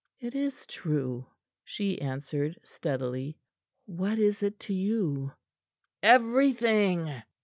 "It is true," she answered steadily. "What is't to you?" "Everything!"